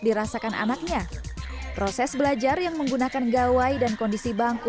dirasakan anaknya proses belajar yang menggunakan gawai dan kondisi bangku